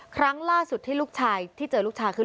ครั้งล่าสุดที่ลูกชายที่เจอลูกชายคือ